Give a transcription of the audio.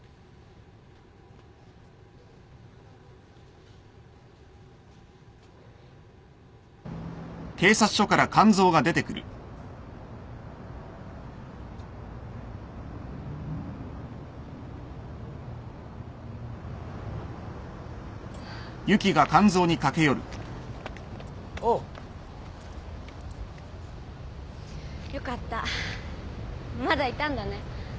まだいたんだね。